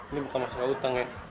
ini bukan masalah utang ya